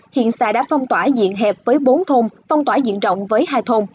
hiện xã đã phong tỏa diện hẹp với bốn thôn phong tỏa diện rộng với hai thôn